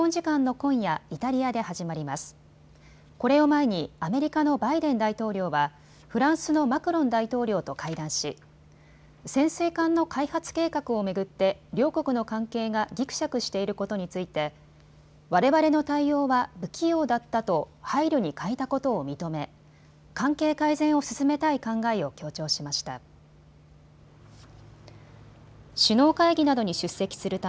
これを前にアメリカのバイデン大統領はフランスのマクロン大統領と会談し、潜水艦の開発計画を巡って両国の関係がぎくしゃくしていることについてわれわれの対応は不器用だったと配慮に欠いたことを認め、関係改善を進めたい考えを強調しました。